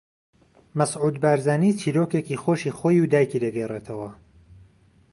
مەسعود بارزانی چیرۆکێکی خۆشی خۆی و دایکی دەگێڕیتەوە